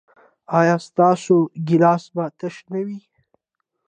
ایا ستاسو ګیلاس به تش نه وي؟